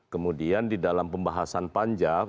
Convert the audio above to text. kemudian di dalam pembahasan panjang